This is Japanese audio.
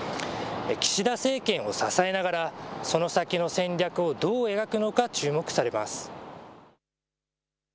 岸田政権を支えながらその先の戦略をどう描くのか注目されます。